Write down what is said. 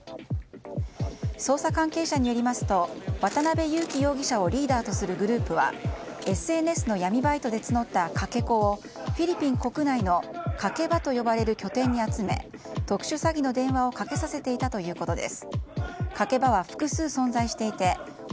捜査関係者によりますと渡辺優樹容疑者をリーダーとするグループはＳＮＳの闇バイトで募ったかけ子をフィリピン国内のかけ場と呼ばれる拠点に集め特殊詐欺の電話をかけさせていたということです。